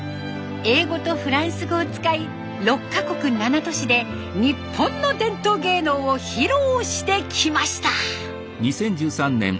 英語とフランス語を使い６か国７都市で日本の伝統芸能を披露してきました。